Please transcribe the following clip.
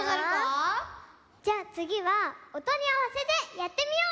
じゃつぎはおとにあわせてやってみよう！